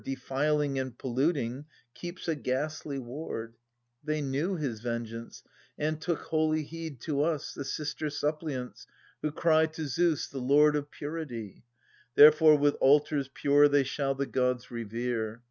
Defiling and polluting, keeps a ghastly ward ! They knew his vengeance, and took holy heed To us, the sister suppliants, who cry To Zeus, the lord of purity : Therefore with altars pure they shall the gods revere.